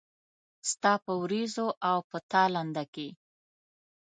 ستا په ورېځو او په تالنده کې